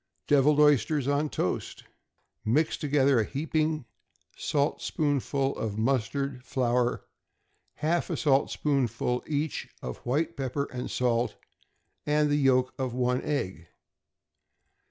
=Deviled Oysters on Toast.= Mix together a heaping saltspoonful of mustard flour, half a saltspoonful each of white pepper and salt, and the yolk of one egg.